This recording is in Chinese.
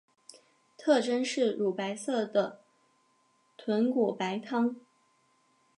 特征是乳白色的豚骨白汤。